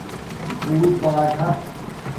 بݸت باٹھݳ